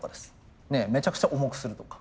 めちゃくちゃ重くするとか。